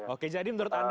oke jadi menurut anda